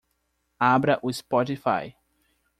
Abra o Spotify.